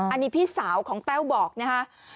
อันนี้พี่สาวของแต้วบอกนะคะ